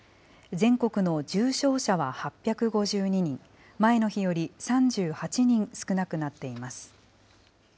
全国の重症者は８５２人、前の日より３８人少なくなっています。